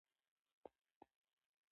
ایا ناشکري نه کوئ؟